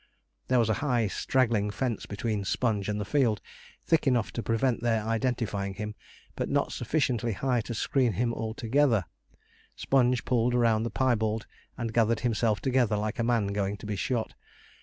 There was a high, straggling fence between Sponge and the field, thick enough to prevent their identifying him, but not sufficiently high to screen him altogether. Sponge pulled round the piebald, and gathered himself together like a man going to be shot.